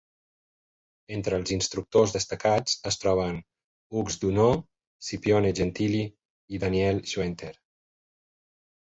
Entre els instructors destacats es troben Hugues Doneau, Scipione Gentili i Daniel Schwenter.